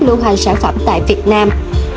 lưu hành sản phẩm tại việt nam